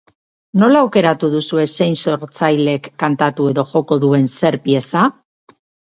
Nola aukeratu duzue zein sortzailek kantatu edo joko duen zer pieza?